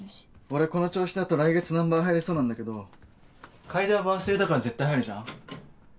俺この調子だと来月ナンバー入れそうなんだけど楓はバースデーだから絶対入るじゃん？